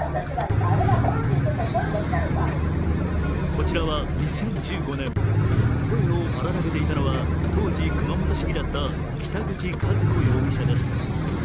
こちらは２０１５年、声を荒らげていたのは当時、熊本市議だった北口和皇容疑者です。